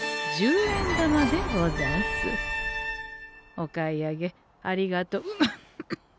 お買い上げありがとう。